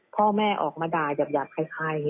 พ่อแม่ออกมาด่ายับคลายอย่างนี้